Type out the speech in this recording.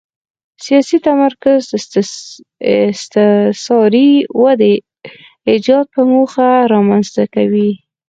سیاسي تمرکز استثاري ودې ایجاد په موخه رامنځته کوي.